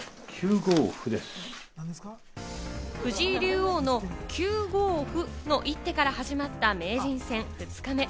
藤井竜王の９五歩の一手から始まった名人戦２日目。